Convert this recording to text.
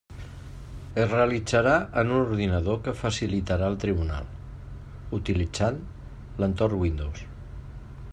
Es realitzarà en un ordinador que facilitarà el tribunal, utilitzant l'entorn Windows.